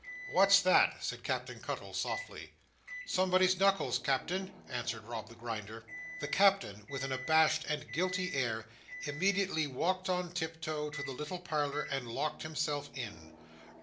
"What's that?" said Captain Cuttle, softly. "Somebody's knuckles, Captain," answered Rob the Grinder. The Captain, with an abashed and guilty air, immediately walked on tiptoe to the little parlour and locked himself in.